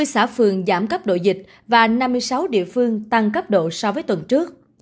một mươi xã phường giảm cấp độ dịch và năm mươi sáu địa phương tăng cấp độ so với tuần trước